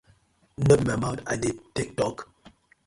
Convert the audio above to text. No be my mouth I dey tak tok?